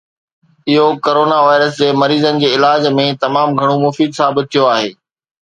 اهو corona virus جي مريضن جي علاج ۾ تمام گهڻو مفيد ثابت ٿيو آهي